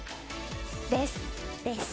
です。